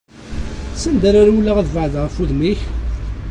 S anda ara rewleɣ, ad beɛdeɣ ɣef wudem-ik?